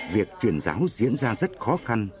việc truyền giáo diễn ra rất khó khăn